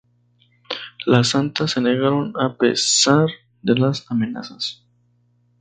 Las santas se negaron, a pesar de las amenazas.